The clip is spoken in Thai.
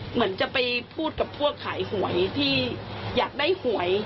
เหมือนจะไปพูดกับพวกขายหวยที่อยากได้หวย